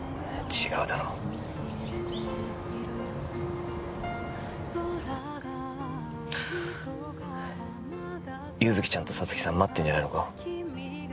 違うだろ優月ちゃんと沙月さん待ってんじゃないのか？